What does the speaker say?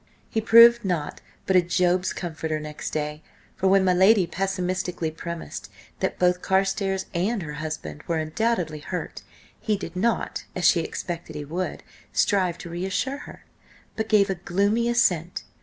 He proved nought but a Job's comforter next day, for when my lady pessimistically premised that both Carstares and her husband were undoubtedly hurt, he did not, as she expected he would, strive to reassure her, but gave a gloomy assent.